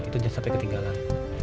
itu saja sampai ketinggalan